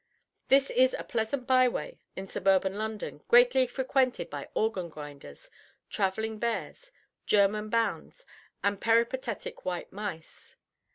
This is a pleasant byway in suburban London, greatly frequented by organ grinders, travelling bears, German bands, and peripatetic white mice.